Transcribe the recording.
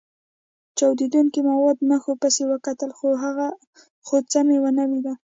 چاودېدونکو موادو نښو پسې وکتل، خو څه مې و نه لیدل.